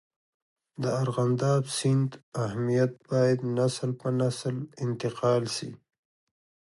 د ارغنداب سیند اهمیت باید نسل په نسل انتقال سي.